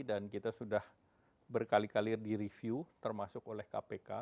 dan kita sudah berkali kali direview termasuk oleh kpk